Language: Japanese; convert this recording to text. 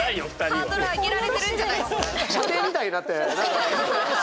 これハードル上げられてるんじゃないっすか？